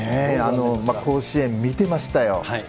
甲子園見てましたよ。